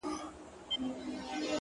• هم دي د سرو سونډو په سر كي جـادو ـ